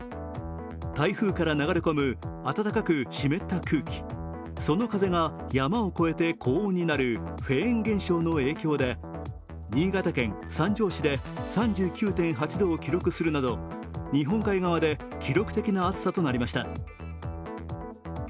台風から流れ込む暖かく湿った空気、その風が山を越えて高温になるフェーン現象の影響で、新潟県三条市で３９．８度を記録するなど日本海側で記録的な暑さとなりました。